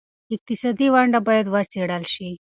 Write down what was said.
اقتصادي ونډه باید وڅېړل شي.